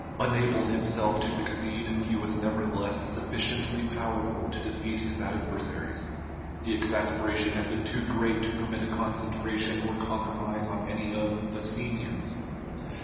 Unable himself to succeed, he was nevertheless sufficiently powerful to defeat his adversaries. The exasperation had been too great to permit a concentration or compromise on any of the "seniors."